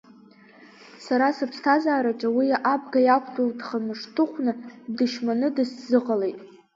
Сара сыԥсҭазаараҿы, уи абга иақәтәоу дха-мышҭыхәны, ддышьманны дысзыҟалеит.